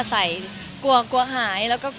มีปิดฟงปิดไฟแล้วถือเค้กขึ้นมา